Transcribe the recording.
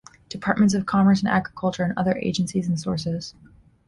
Departments of Commerce and Agriculture, and other agencies and sources.